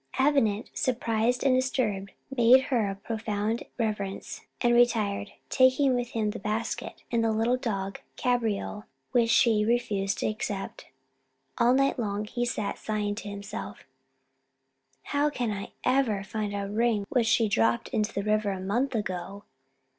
Avenant, surprised and disturbed, made her a profound reverence and retired, taking with him the basket and the little dog Cabriole, which she refused to accept. All night long he sat sighing to himself, "How can I ever find a ring which she dropped into the river a month ago?